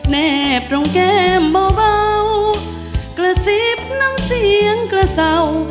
แนบตรงแก้มเบากระซิบน้ำเสียงกระเศร้า